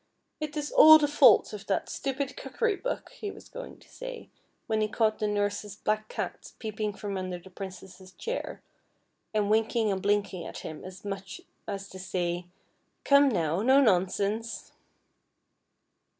" It is all the fault of that stupid cookery book," he was going to say, when he caught the nurse's black cats peeping from under the Princess's chair, and winking and blinking at him as much as to say, " Come, now, no nonsense."